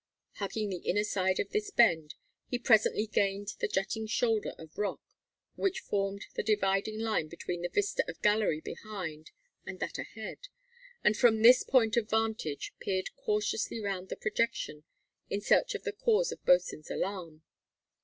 Hugging the inner side of this bend, he presently gained the jutting shoulder of rock which formed the dividing line between the vista of gallery behind and that ahead, and from this point of vantage peered cautiously round the projection in search of the cause of Bosin's alarm.